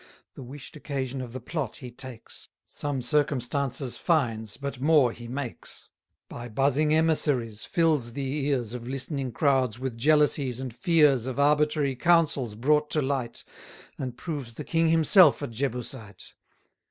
The wish'd occasion of the plot he takes; Some circumstances finds, but more he makes; By buzzing emissaries fills the ears 210 Of listening crowds with jealousies and fears Of arbitrary counsels brought to light, And proves the king himself a Jebusite.